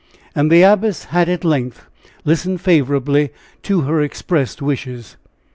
And the Abbess had, at length, listened favorably to her expressed wishes.